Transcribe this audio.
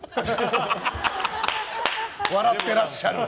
笑ってらっしゃる。